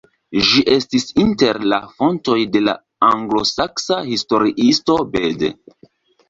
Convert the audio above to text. Ĝi estis inter la fontoj de la anglosaksa historiisto Bede.